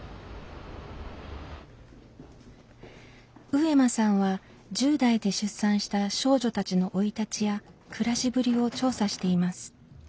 上間さんは１０代で出産した少女たちの生い立ちや暮らしぶりを調査しています。